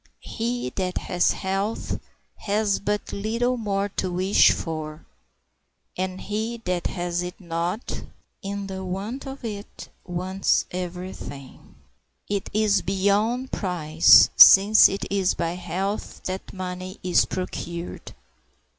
He that has health has but little more to wish for; and he that has it not, in the want of it wants every thing. It is beyond price, since it is by health that money is procured.